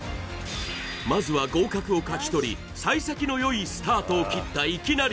まずは合格を勝ち取り幸先のよいスタートを切ったいきなり！